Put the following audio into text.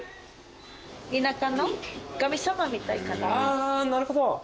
あなるほど。